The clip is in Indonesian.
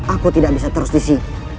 aku tidak bisa terus di sini